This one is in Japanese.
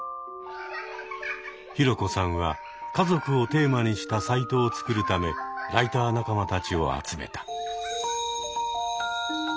ヒロコさんは家族をテーマにしたサイトを作るためライター仲間たちを集めた。